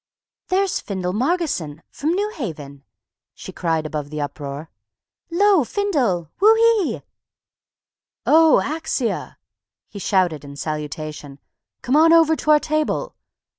"There's Findle Margotson, from New Haven!" she cried above the uproar. "'Lo, Findle! Whoo ee!" "Oh, Axia!" he shouted in salutation. "C'mon over to our table."